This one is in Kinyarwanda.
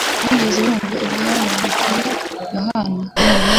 Wigeze wumva ibyabaye kuri Yohana?